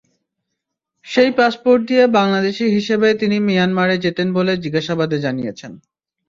সেই পাসপোর্ট দিয়ে বাংলাদেশি হিসেবে তিনি মিয়ানমারে যেতেন বলে জিজ্ঞাসাবাদে জানিয়েছেন।